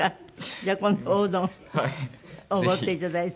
じゃあ今度おうどんおごっていただいて。